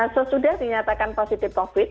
sesudah dinyatakan positif covid